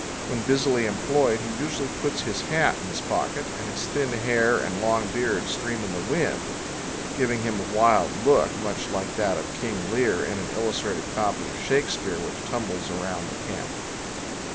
When busily employed he usually puts his hat in his pocket, and his thin hair and long beard stream in the wind, giving him a wild look, much like that of King Lear in an illustrated copy of Shakespeare which tumbles around the camp.